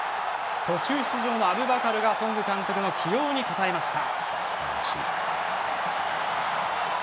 途中出場のアブバカルが監督の起用に応えました。